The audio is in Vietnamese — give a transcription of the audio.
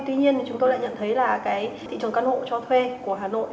tuy nhiên chúng tôi lại nhận thấy là cái thị trường căn hộ cho thuê của hà nội